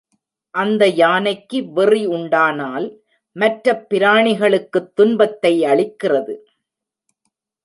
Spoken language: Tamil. அந்த யானைக்கு வெறி உண்டானால், மற்றப் பிராணிகளுக்குத் துன் பத்தை அளிக்கிறது.